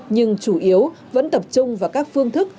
nhưng chủ yếu vẫn tập trung vào các phương thức